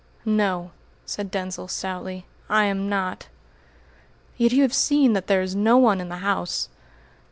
"No," said Denzil stoutly, "I am not!" "Yet you have seen that there is no one in the house!"